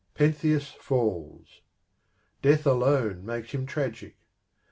Pentheus falls. Death alone makes him tragic.